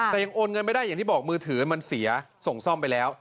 แต่ยังโอนเงินไม่ได้อย่างที่บอกมือถือมันเสียส่งซ่อมไปแล้ว